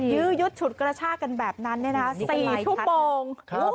ยื้อยุดฉุดกระชากันแบบนั้น๔ชั่วโมง